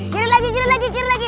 kiri lagi gila lagi kiri lagi